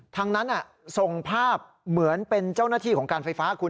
ทางนั้นส่งภาพเหมือนเป็นเจ้าหน้าที่ของการไฟฟ้าคุณ